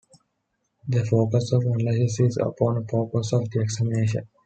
The focus of analysis is upon the purpose of the examination.